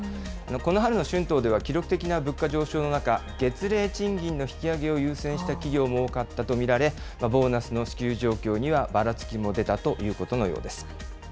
この春の春闘では、記録的な物価上昇の中、月例賃金の引き上げを優先した企業も多かったと見られ、ボーナスの支給状況にはばらつきも出たということのようです。